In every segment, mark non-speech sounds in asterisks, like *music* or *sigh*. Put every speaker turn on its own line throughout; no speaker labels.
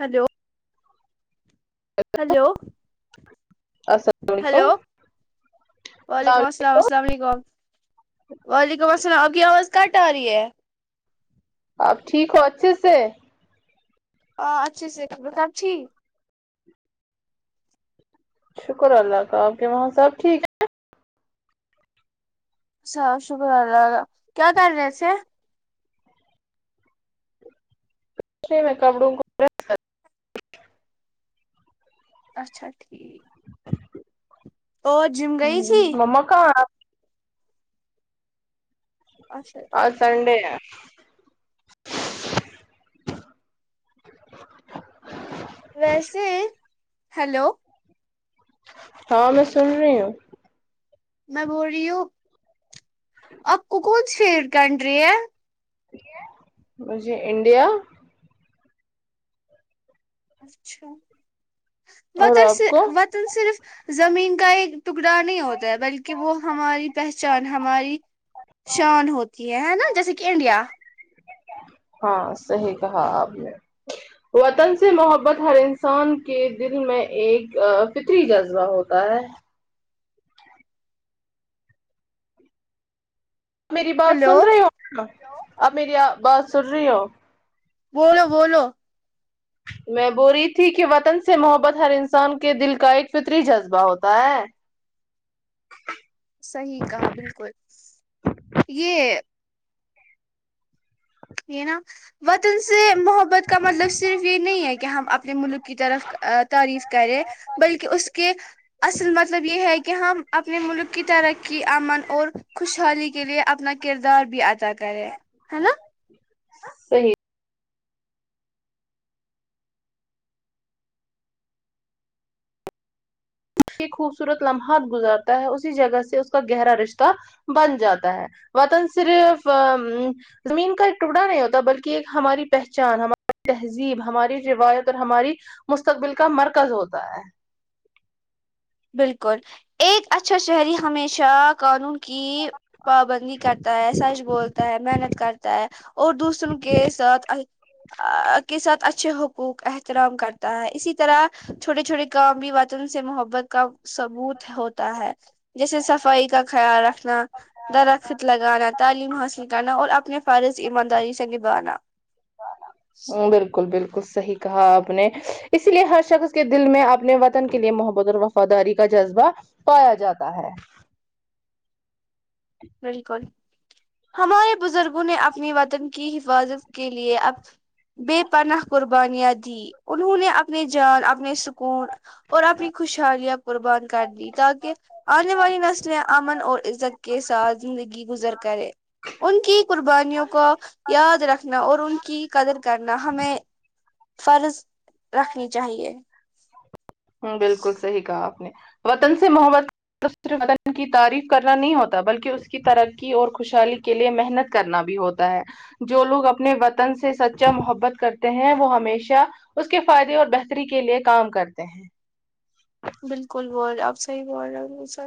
hello hello
السلام علیکم
hello وعلیکم السلام السلام علیکم وعلیکم السلام آپ کی آواز کٹ آرہی ہے
اب ٹھیک ہو اچھے سے
ہ اچھی س خرتابھی *unintelligible*
شکر اللہ کا آپ کے وہاں سب ٹھیک ہے
اچھا شکر اللہ کا کیا کر رہے تھے
ا میں کپڑوں کو
اچھا ٹھیک اور جم گئی تھی
مما کہاں ہے
اچھا
آج
ٹھیک
سنڈے ہے
ویسے ہیلو
ہاں میں سن رہی ہوں
میں بول رہی ہوں آپ کو کون سی کنٹری ہے
مجھے انڈیا
اچھا
اور
وطن
آپ
صرف
کو
وطن صرف زمین کا ہی ٹکڑا نہیں ہوتا ہے بلکہ وہ ہماری پہچان ہماری شان ہوتی ہے نا جیسے کہ انڈیا
ہاں صحیح کہا آپ نے وطن سے محبت ہر انسان کے دل میں ایک فطری جذبہ ہوتا ہے میری بات
ہیلو
سن رہی ہو آپ میری بات سن رہی ہو
بولو بولو
میں بول رہی تھی کہ وطن سے محبت ہر انسان کے دل کا ایک فطری جذبہ ہوتا ہے
صحیح کہا بالکل یہ یہ نا وطن سے محبت کا مطلب صرف یہ نہیں ہے کہ ہم اپنے ملک کی طرف تعریف کریں بلکہ اس کے اصل مطلب یہ ہے کہ ہم اپنے ملک کی ترقی کی امن اور خوشحالی کے لیے اپنا کردار بھی ادا کرے ہے نا
صحیح خوبصورت لمحات گزارتا ہے اسی جگہ سے اس کا گہرا رشتہ بن جاتا ہے وطن صرف ا زمین کا ٹکڑا نہیں ہوتا بلکہ ایک ہماری پہچان ہماری تہذیب ہماری روایت اور ہماری مستقبل کا مرکز ہوتا ہے
بالکل ایک اچھا شہری ہمیشہ قانون کی پابندی کرتا ہے سچ بولتا ہے محنت کرتا ہے اور دوسروں کے ساتھ اہ کے ساتھ اچھے حقوق احترام کرتا ہے اسی طرح چھوٹے چھوٹے کا بھی وطن سے محبت کا ثبوت ہوتا ہے جیسے صفائی کا خیال رکھنا درخت لگانا تعلیم حاصل کرنا اور اپنے فرض ایمانداری سے نبھانا
بالکل بالکل صحیح کہا آپ نے اسی لیے ہر شخص کے دل میں اپنے وطن کے لیے محبت اور وفا فاداری کا جذبہ پایا جاتا ہے
بلکل ہمارے بزرگوں نے اپنی وطن کی حفاظت کے لیے اب بے پناہ قربانیاں دی انہوں نے اپنی جان اپنے سکھ کون اور اپنی خوشحالیاں قربان کر دی تاکہ آنے والی نسلیں امن اور عزت کے ساتھ زندگی گزر کرے ان کی قربانیوں کو یاد رکھنا اور ان کی قدر کرنا ہمیں فرض رکھنی چاہیے
ہ بالکل صحیح کہا آپ نے وطن سے محبت تعریف کرنا نہیں ہوتا بلکہ اس کی ترقی اور خوشحالی کے لیے محنت کرنا بھی ہوتا ہے جو لوگ اپنے وطن سے سچا محبت کرتے ہیں وہ ہمیشہ اس کے فائدے اور بہتری کے لیے کام کرتے ہیں
بالکل بول رہ آپ صحیح بول رہے ہو سر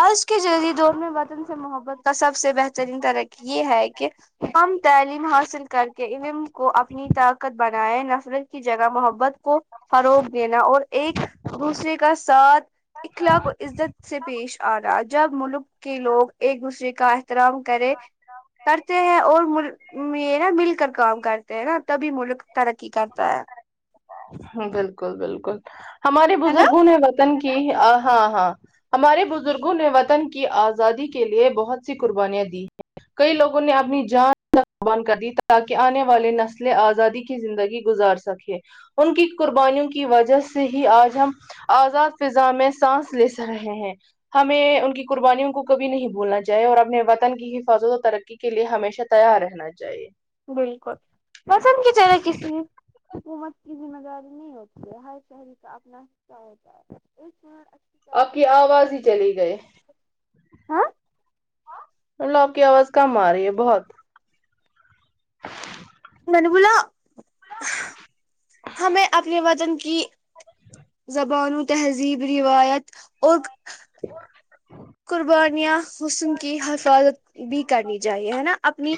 آج کے جریعے دور میں وطن سے محبت کا سب سے بہترین ترقی یہ ہے کہ ہم تعلیم حاصل کر کے علم کو اپنی طاقت بنائے نفرت کی جگہ محبت کو فروغ دینا اور ایک دوسرے ساتھ اخلاق عزت سے پیش آ رہا جب ملک کہ لوگ ایک دوسرے کا احترام کرے کرتے ہیں اور مل یہ نا مل کر کام کرتے ہیں نا تبھی ملک ترقی کرتا ہے
بالکل بالکل ہمارے
ہے نا
بزرگوں نے وطن کی ہاں ہاں ہمارے بزرگوں نے وطن کی آزادی کے لیے بہت سی قربانیاں دی ہیں کئی لوگوں نے اپنی جان تک قربان کر دی تاکہ آنے والے نسلیں آزادی کی زندگی گزار سکے سکے ان کی قربانیوں کی وجہ سے ہی آج ہم آزاد فضا میں سانس لے سہ رہے ہیں ہمیں ان کی قربانیوں کو کبھی نہیں بھولنا چاہیے اور اپنے وطن تن کی حفاظت اور ترقی کے لیے ہمیشہ تیار رہنا چاہیے
بالکل پسند کی چرہ کسی حکومت کی ذمہ داری نہیں ہوتی ہے ہر شہری کا اپنا حصہ ہوتا ہے ایک شہر
آپ کی آواز ہی چلی گئی
ہاں
مطلب آپکی آواز کم ارہی ہے بہت *inaudible*
میں نے بولا ہمیں اپنے وطن کی زبانوں تہذیب روایت اور
*inaudible*
قربانیاں حسن کی حفاظت بھی کرنی چاہیے ہے نا اپنی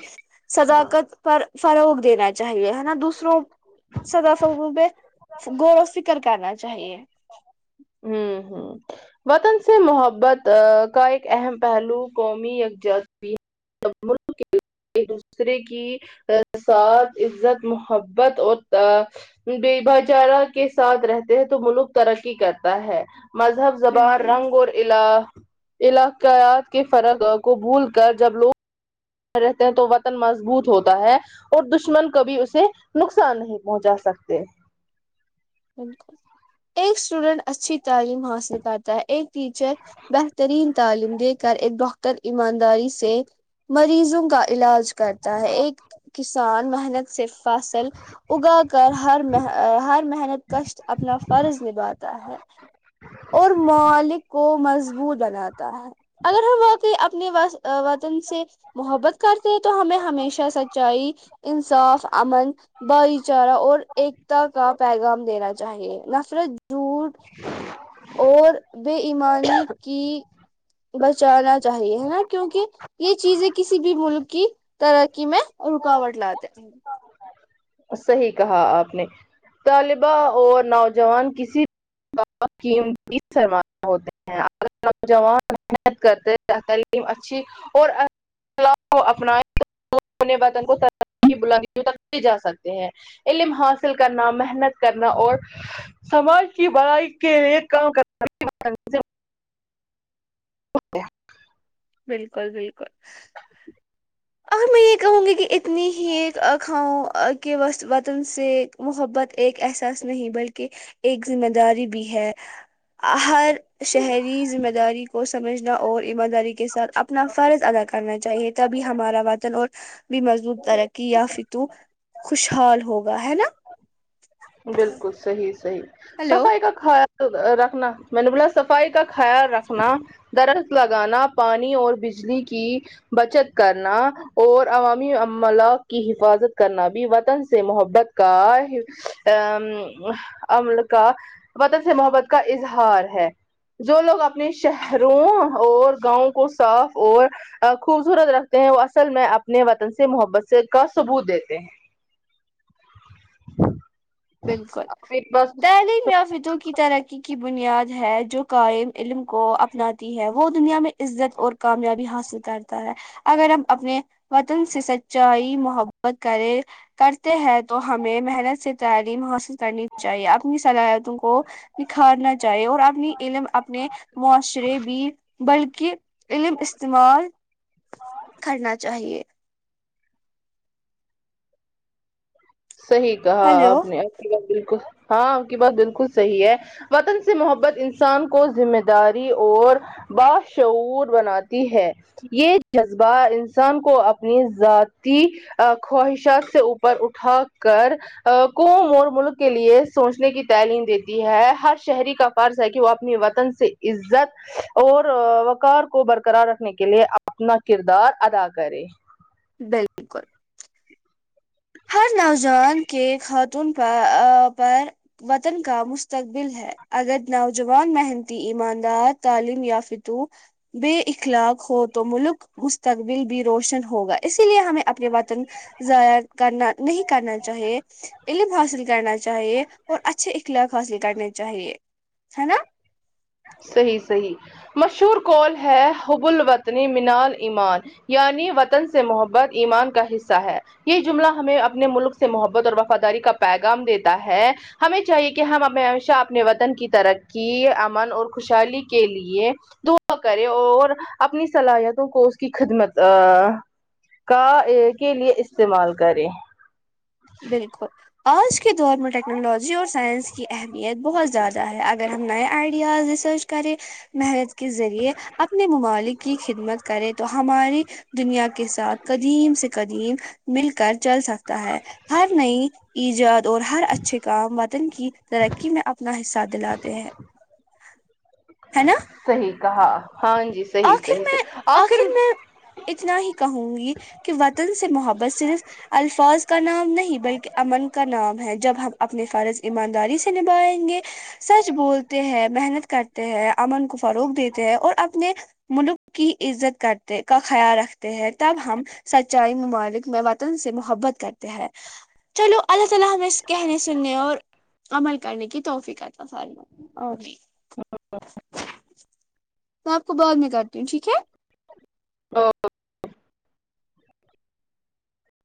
ہاں
صداقت پر فروغ دینا چاہیے ہے نا دوسروں صدا فوب غور و فکر کرنا چاہیے
ہوں ہوں وطن سے محبت کا ایک اہم پہلو قومی یکجاات بھی ہے *inaudible* ایک دوسرے کی سات عزت محبت اور پ بے بھچارہ کے ساتھ رہتے ہیں تو ملوک ترقی کر تا ہے مذہب زبان
بالکل
رنگ اور علا علاقیات کے فرق کو بھول کر جب لوگ رہتے ہیں تو وطن مضبوط ہوتا ہے اور دشمن کبھی اسے نقصان نہیں پہنچا سکتے
بالکل ایک اسٹوڈنٹ اچھی تعلیم حاصل کرتا ہے ایک ٹیچر بہترین تعلیم دے کر ایک پر ایمانداری سے مریضوں کا علاج کرتا ہے ایک کسان محنت صرف فصل اگا کر ہر ہر محنت کشٹ اپنا فرض نبھاتا ہے اور مالک کو مضبوط بناتا ہے اگر ہم واقی اپنی بس وطن سے محبت کرتے ہیں تو ہمیں ہمیشہ سچائی انصاف امن بھائی چارہ اور ایکتا کا پیغام دینا چاہیے نفرت جھوٹ اور بے ایمانی کی بچانا چاہیے ہے نا کیونکہ یہ چیزیں کسی بھی ملک کی ترقی میں رکاوٹ لاتے ہیں
صحیح کہا آپ نے طالبہ اور نوجوان کسی *inaudible* نوجوان محنت کرتے تلیم اچھی اور *inaudible* جا سکتے ہیں علم حاصل کرنا محنت کرنا اور سماج کی بڑائی کے لیے کام کرنا *inaudible*
بالکل بالکل اگر میں یہ کہوں گی کہ اتنی ہی ایک کھاں کے وطن سے محبت ایک احساس نہیں بلکہ ایک ذمہ داری بھی ہے ہر شہری ذمہ داری کو سمجھنا اور ایمانداری کے ساتھ اپنا فرض ادا کرنا چاہیے تب بھی ہمارا وطن اور بھی مضبوط ترقی یا فتو خوشحال ہوگا ہے نا
بالکل صحیح صحیح
ہلو
صفائی کا خیال رکھنا مطلب صفائی کا خیال رکھنا درخت لگانا پانی اور بجلی کی بچت کرنا اور عوامی عملہ کی حفاظت کرنا بھی وطن سے محبت کا ا عمل کا وطن سے محبت کا اظہار ہے جو لوگ اپنے شہروں اور گاؤں کو صاف اور خوبصورت رکھتے ہیں وہ اصل میں اپنے وطن سے محبت سے کا ثبوت دیتے ہیں
بالکل
بس
نہیں مر فتوں کی ترقی کی بنیاد ہے جو قائم علم کو اپناتی ہے وہ دنیا میں عزت اور کامیابی حاصل کرتا ہے اگر ہم اپنے وطن سے سچائی محبت کریں کرتے ہیں تو ہمیں محنت سے تعلیم حاصل کرنی چاہیے اپنی صلاحیتوں کو نکھارنا چاہیے اور اپنی علم اپنے معاشرے بھی بلکہ علم استعمال کرنا چاہیے
صحیح کہا
ہلو
آپ نے آپ کی بات بالکل ہاں آپ کی بات بالکل صحیح ہے وطن سے محبت انسان کو ذمہ داری اور باشعور بناتی ہے یہ جذبہ انسان کو اپنی ذاتی خواہشات سے اوپر اٹھا کر قوم اور ملک کے لیے سوچنے کی تعلیم دیتی ہے ہر شہری کا فرض ہے کہ وہ اپنی وطن سے عزت اور وقار کو برقرار رکھنے کے لیے اپنا کردار ادا کرے
*unintelligible* ہر نوجوان کے خاتون پر پر وطن کا مستقبل ہے اگر نوجوان محنتی ایماندار تعلیم یا فتو بے اخلاق ہو تو ملک مستقبل بھی روشن ہوگا اسی لیے ہمیں اپنے وطن ضائر کرنا نہیں کرنا چاہیے علم حاصل کرنا چاہیے اور اچھے اخلاق حاصل کرنے چاہیے ہے نا
صحی صحی مشہور کال ہے حب ال وطنی مینال ایمان یعنی وطن سے محبت ایمان کا حصہ ہے یہ جملہ ہمیں اپنے ملک سے محبت اور وفاداری کا پیغام دیتا ہے ہمیں چاہیے کہ ہم اپ ہمیشہ اپنے وطن کی ترقی من اور خوشحالی کے لیے دعا کرے اور اپنی صلاحیتوں کو اس کی خدمت کا کے لیے استعمال کریں
بالکل آج کے دور میں ٹیکنالوجی اور سائنس کی اہمیت بہت زیادہ ہے اگر ہم نئے آئیڈیاز ریسرچ کریں محنت کے ذریعے اپنے ممالک کی خدمت کرے تو ہماری دنیا کے ساتھ قدیم سے قدیم مل کر چل سکتا ہے ہر نئی ایجت اور ہر اچھے کام وطن کی ترقی میں اپنا حصہ دلاتے ہیں ہے نا
صحیح کہا ہاں جی صحیح
آخر
صحیح
میں
صحیح آخر
میں اتنا ہی کہوں گی کہ وطن سے محبت صرف الفاظ کا نام نہیں بلکہ امن کا نام ہے جب ہم اپنے فرض ایمانداری سے نبھائیں گے سچ بولتے ہیں محنت کرتے ہیں امن کو فروغ دیتے ہیں اور اپنے ملوک کی عزت کرتے کا خیال رکھتے ہیں تب ہم سچائی ممالک میں وطن سے محبت کرتے ہیں چلو اللہ تعالی ہمیں کہنے سننے اور عمل کرنے کی توفیق اتا *unintelligible*
*unintelligible*
میں آپ کو بعد میں کرتی ہوں ٹھیک ہے
*unintelligible*